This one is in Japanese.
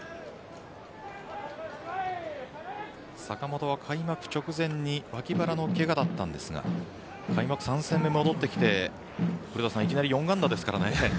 坂本は開幕直前に脇腹のけがだったんですが開幕３戦で戻ってきて古田さんいきなり４安打ですからね。